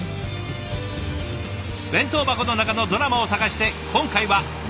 弁当箱の中のドラマを探して今回は宮崎へ。